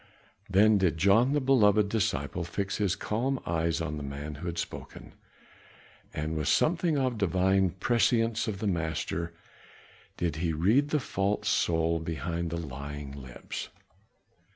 Then did John, the beloved disciple, fix his calm eyes on the man who had spoken; with something of the divine prescience of the Master did he read the false soul behind the lying lips.